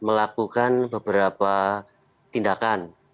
melakukan beberapa tindakan